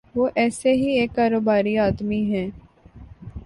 وہ ایسے ہی ایک کاروباری آدمی ہیں۔